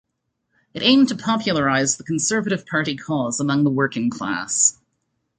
It aimed to popularise the Conservative Party cause among the working class.